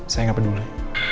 saya tidak peduli